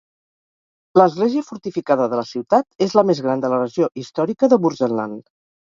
L'església fortificada de la ciutat és la més gran de la regió històrica de Burzenland.